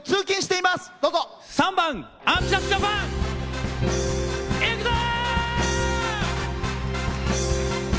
いくぞー！